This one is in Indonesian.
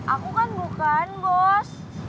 aku kan bukan bos